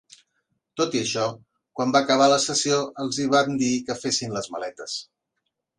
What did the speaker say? Tot i això, quan va acabar la sessió, els hi van dir que fessin les maletes.